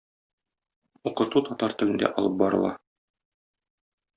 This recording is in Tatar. Укыту татар телендә алып барыла.